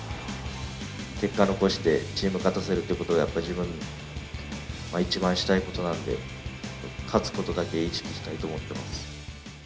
結果を残して、チーム勝たせるっていうことがやっぱり自分が一番したいことなので、勝つことだけ意識したいと思ってます。